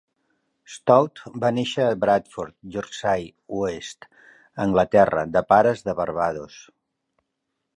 Stoute va néixer a Bradford, Yorkshire oest, Anglaterra, de pares de Barbados.